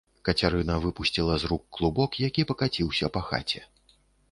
Кацярына выпусціла з рук клубок, які пакаціўся па хаце.